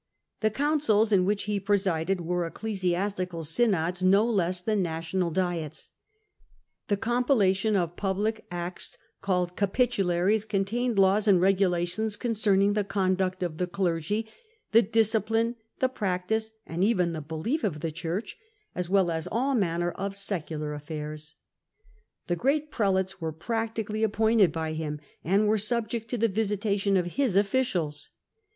The luetdme couucils in which he presided were ecclesias tical synods no less than national diets ; the compila tion of public acts called ' Capitularies ' contains laws and regulations concerning the conduct of the clergy, the discipline, the practice, and even the belief of the Church, as well as all manner of secular affairs. The great prelates were practically appointed by him, and were subject to the visitation of his officials.